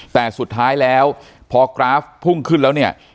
แต่สุดท้ายแล้วพอกราฟพุ่งขึ้นแล้วเนี่ย